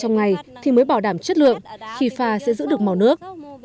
trong ngày thì mới bảo đảm chất lượng khi pha sẽ giữ được màu nước